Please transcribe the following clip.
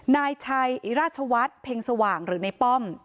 นายชัยอิราชวัฒน์เพ็งสว่างหรือในป้อม